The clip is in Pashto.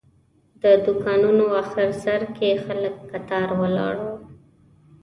د دوکانونو آخر سر کې خلک کتار ولاړ وو.